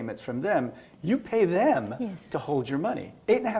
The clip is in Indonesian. anda memberi uang dari mereka untuk menjaga uang anda